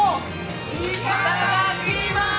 いただきまーす！